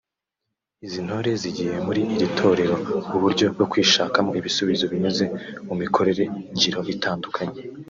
Izi ntore zigiye muri iri torero uburyo bwo kwishakamo ibisubizo binyuze mu mikoro ngiro itandukanye